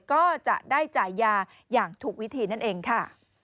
ก็จะได้จ่ายยาอย่างถูกวิธีนั่นเองค่ะ